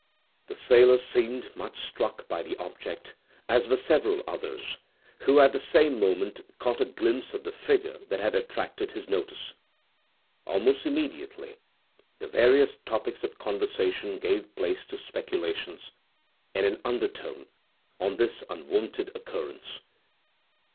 The sailor seemed much struck by the object, as were several others, who, at the same moment, caught a glimpse of the figure that had attracted his notice. Almost immediately, the various topics of conversation gave place to speculations, in an undertone, on this unwonted occurrence.